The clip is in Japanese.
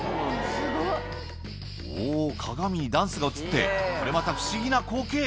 おー、鏡にダンスが映って、これまた不思議な光景。